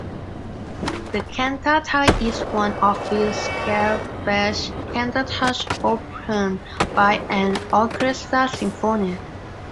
The cantata is one of few sacred Bach cantatas opened by an orchestral sinfonia.